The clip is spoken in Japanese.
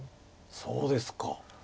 そうですか。